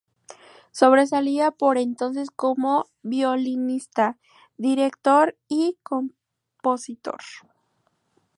Sobresalía por entonces como violinista, director y compositor.